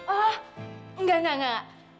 eh enggak enggak